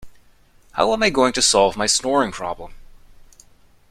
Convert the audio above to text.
How am I going to solve my snoring problem?